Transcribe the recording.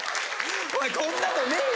お前こんなのねえよ！